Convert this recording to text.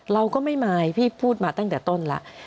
เราก็ไม่มายพี่พูดมาตั้งแต่ต้นแล้ว